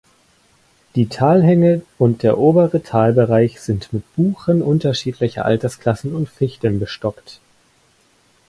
Die Talhänge und der obere Talbereich sind mit Buchen unterschiedlicher Altersklassen und Fichten bestockt.